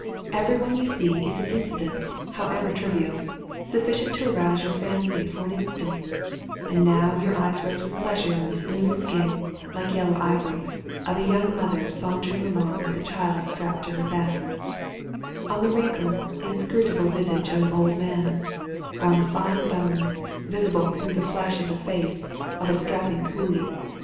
Everyone you see is an incident, however trivial, sufficient to arouse your fancy for an in stant ; and now your eyes rest with pleasure on the smooth skin, like yellow ivory, of a young mother sauntering along with a child strapped to her back, on the wrinkled, inscrutable visage of an old man, or on the fine bones, visible through the flesh of the face, of a strapping coolie.